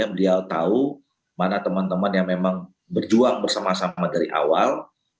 beliau tahu mana teman teman yang memang berjuang bersama sama dari awal